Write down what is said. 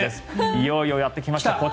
いよいよやってきました。